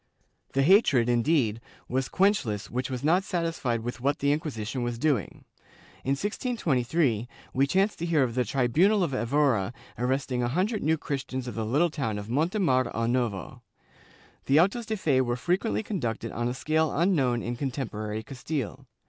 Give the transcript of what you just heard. The hatred, indeed, was quenchless which was not satisfied with what the Inquisition was doing. In 1623 we chance to hear of the tribunal of Evora arresting a hundred New Christians of the little town of Montemor o Novo.^ The autos de fe were frequently conducted on a scale unknown in contemporary Castile.